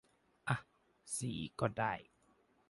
อ่ะ สี่ก็ได้